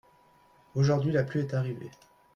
Aujourd'hui, la pluie est arrivée